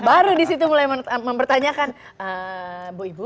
baru di situ mulai mempertanyakan ee bu ibu